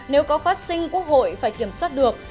nếu có phát sinh quốc hội phải kiểm soát được